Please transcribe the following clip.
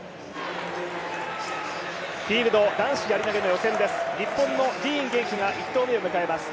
フィールド、男子やり投の予選です日本のディーン元気が１投目を迎えます。